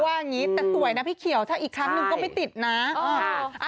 ครั้งเดียวพอแล้วแต่สวยพี่เขียวถ้าอีกครั้งหนึ่งก็ไม่ติดนะ